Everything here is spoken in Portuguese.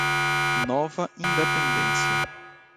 Nova Independência